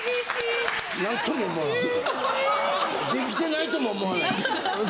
できてないとも思わないし。